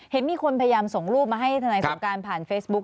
เห็นมีคนพยายามส่งรูปมาให้ทนายสงการผ่านเฟซบุ๊ค